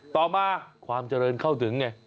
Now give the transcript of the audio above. ต่อมาความเจริญเข้าถึงไง